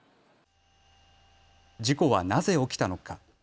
事故はなぜ起きたのか。